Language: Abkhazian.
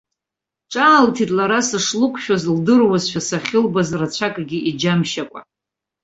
Ҿаалҭит лара, сышлықәшәоз лдыруазшәа, сахьылбаз рацәакгьы иџьамшьакәа.